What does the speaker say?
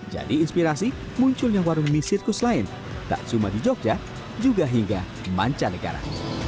inspirasi munculnya warung mie sirkus lain tak cuma di jogja juga hingga mancanegara